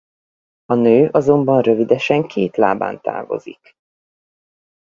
A nő azonban rövidesen két lábán távozik.